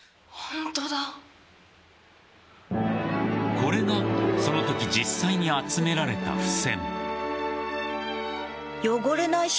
これが、そのとき実際に集められた付箋。